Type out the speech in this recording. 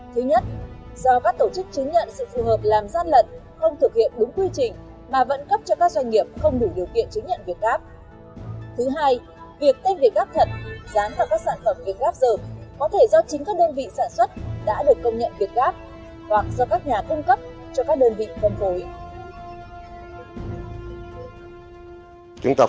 thứ nhất do các tổ chức chứng nhận sự phù hợp làm gian lận không thực hiện đúng quy trình mà vận cấp cho các doanh nghiệp không đủ điều kiện chứng nhận việc gáp